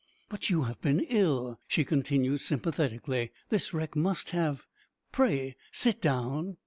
"But you have been ill," she continued, sympathetically; "this wreck must have pray sit down."